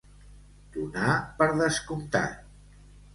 Donar per descomptat.